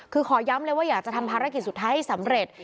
คือขอย้ำเลยว่าอยากจะทำภารกิจสุดท้ายให้สำเร็จ